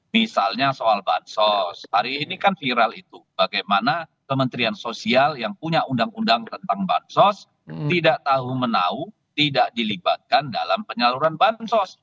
misalnya soal bansos hari ini kan viral itu bagaimana kementerian sosial yang punya undang undang tentang bansos tidak tahu menau tidak dilibatkan dalam penyaluran bansos